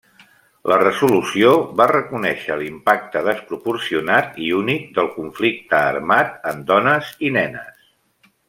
La Resolució va reconèixer l'impacte desproporcionat i únic del conflicte armat en dones i nenes.